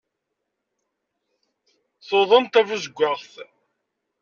Tuḍen tabuzewwaɣt.